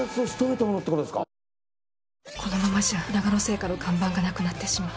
このままじゃ、ながの製菓の看板がなくなってしまう。